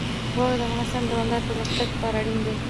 واوره د افغانستان د دوامداره پرمختګ لپاره اړین دي.